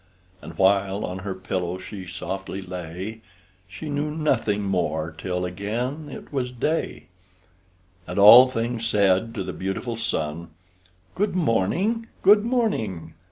And, while on her pillow she softly lay, She knew nothing more till again it was day; And all things said to the beautiful sun, "Good morning, good morning!